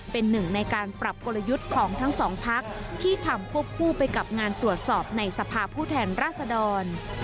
เป็นหนึ่งในการปรับกลยุทธ์ของทั้งสองพักที่ทำควบคู่ไปกับงานตรวจสอบในสภาพผู้แทนราษดร